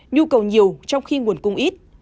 nhu cầu nhiều trong khi nguồn cung ít